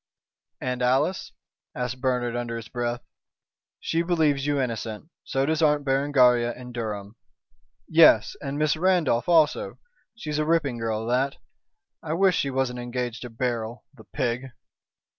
"And Alice?" asked Bernard, under his breath. "She believes you innocent, so does Aunt Berengaria and Durham. Yes! and Miss Randolph also. She's a ripping girl that. I wish she wasn't engaged to Beryl, the pig!"